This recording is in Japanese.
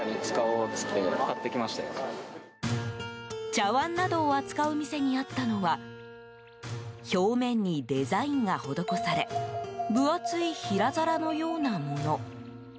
茶わんなどを扱う店にあったのは表面にデザインが施され分厚い平皿のようなもの。